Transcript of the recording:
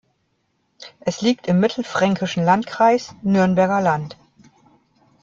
Es liegt im mittelfränkischen Landkreis Nürnberger Land.